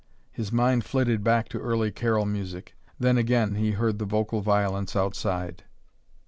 His mind flitted back to early carol music. Then again he heard the vocal violence outside.